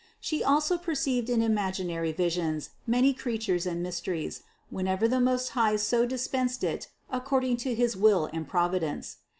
She also perceived in imaginary visions many creatures and mysteries, whenever the Most High so dispensed it according to his will and providence.